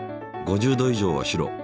５０度以上は白。